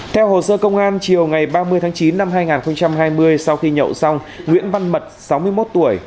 theo hồ sơ công an chiều ngày ba mươi tháng chín năm hai nghìn hai mươi sau khi nhậu xong nguyễn văn mật sáu mươi một tuổi